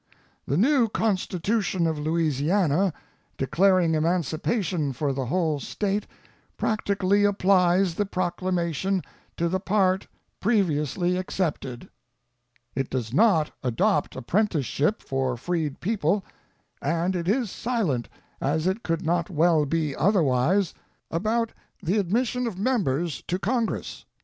The new constitution of Louisiana, declaring emancipation for the whole State, practically applies the Proclamation to the part previously excepted. It does not adopt apprenticeship for freed people; and it is silent, as it could not well be otherwise, about the admission of members to Congress.